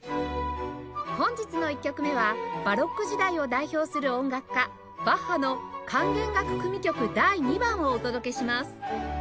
本日の１曲目はバロック時代を代表する音楽家バッハの『管弦楽組曲第２番』をお届けします